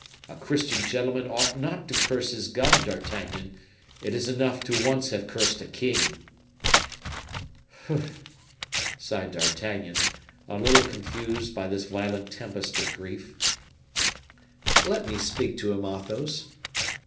A Christian gentleman ought not to curse his God, D'Artagnan; it is enough to once have cursed a king!" "Humph!" sighed D'Artagnan, a little confused by this violent tempest of grief. "Let me speak to him, Athos.